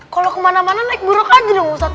kalau kemana mana naik buruk aja dong ustadz